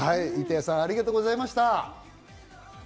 板谷さん、ありがとうございました。